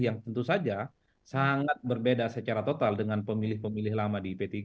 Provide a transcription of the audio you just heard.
yang tentu saja sangat berbeda secara total dengan pemilih pemilih lama di p tiga